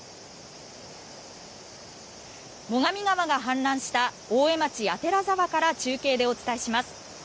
最上川が氾濫した大江町左沢から中継でお伝えします。